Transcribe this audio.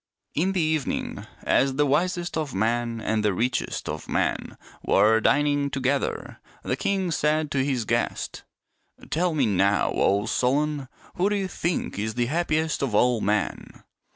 In the evening as the wisest of men and the richest of men were dining together, the king said to his guest, " Tell me now, O Solon, who do you think is the happiest of all men